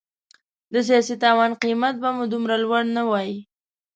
د سیاسي تاوان قیمت به مو دومره لوړ نه وای.